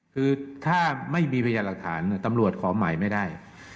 คือถ้าไม่มีพยานหลักฐานตำรวจขอหมายไม่ได้